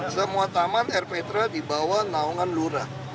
semua taman rth dibawa naungan lura